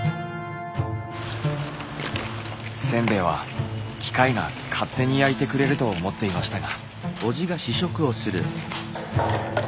せんべいは機械が勝手に焼いてくれると思っていましたが。